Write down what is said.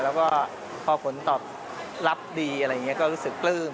แล้วก็พอผลตอบรับดีอะไรอย่างนี้ก็รู้สึกปลื้ม